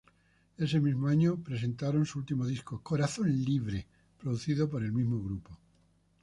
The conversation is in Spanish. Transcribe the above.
Ese mismo año presentaron su último disco "Corazón Libre", producido por el mismo grupo.